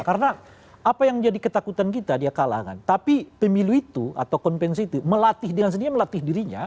karena apa yang jadi ketakutan kita dia kalahkan tapi pemilu itu atau konvensi itu melatih dengan sendirian melatih dirinya